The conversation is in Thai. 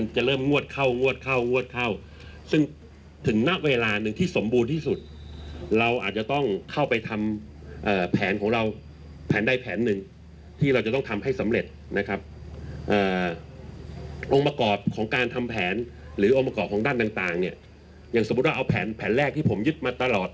อย่างสมมุติว่าเอาแผนแรกที่ผมยึดมาตลอด